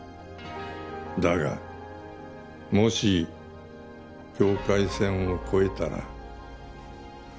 だがもし境界線を越えたら。